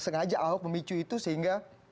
sengaja ahok memicu itu sehingga